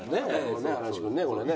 原西君ねこれね。